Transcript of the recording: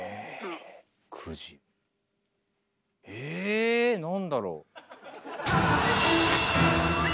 えなんだろう